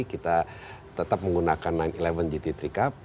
kita tetap menggunakan sembilan ratus sebelas gt tiga cup